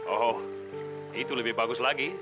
oh itu lebih bagus lagi